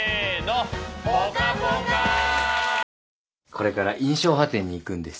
これから『印象派展』に行くんです。